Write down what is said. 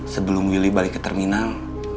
sebelum willy balik ke terminal